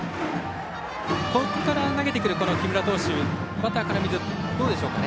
ここから投げてくる木村投手バッターから見てどうでしょうかね？